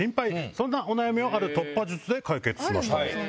そんなお悩みをある突破術で解決しました。